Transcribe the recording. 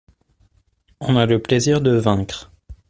On a le plaisir de vaincre.